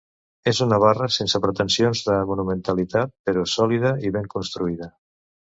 És una barra sense pretensions de monumentalitat però sòlida i ben construïda.